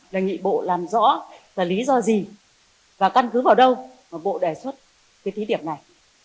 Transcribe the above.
là nghĩ bộ làm rõ là lý do gì và căn cứ vào đâu mà bộ đề xuất cái thí điểm này